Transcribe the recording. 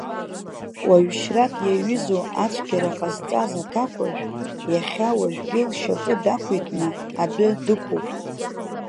Уаҩшьрак иаҩызоу ацәгьара ҟазҵаз аҭакәажә, иахьа уажәгьы лшьапы дақәиҭны, адәы дықәуп.